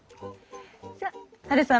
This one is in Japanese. じゃあハルさん